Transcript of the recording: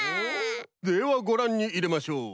ではごらんにいれましょう。